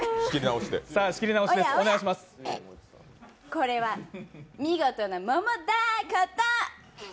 これはみごとな桃だこと！